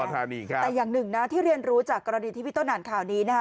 แต่อย่างหนึ่งนะที่เรียนรู้จากกรณีที่พี่ต้นอ่านข่าวนี้นะฮะ